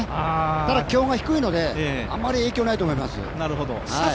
ただ気温が低いのであまり影響はないと思います。